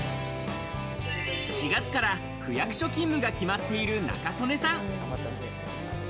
４月から区役所勤務が決まっている中曽根さん。